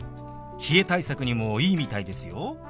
冷え対策にもいいみたいですよ。